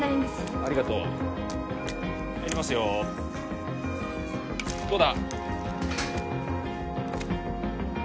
ありがとう入りますよどうだ？